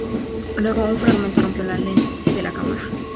Luego, un fragmento rompió la lente de la cámara.